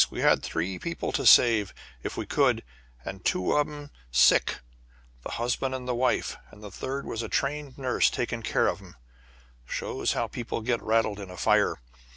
We had three people to save, if we could, and two of 'em sick the husband and wife and the third was a trained nurse taking care of 'em. Shows how people get rattled in a fire.